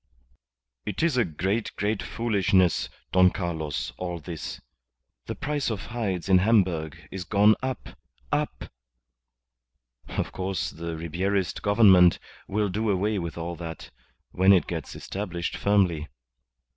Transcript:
"It is a great, great foolishness, Don Carlos, all this. The price of hides in Hamburg is gone up up. Of course the Ribierist Government will do away with all that when it gets established firmly.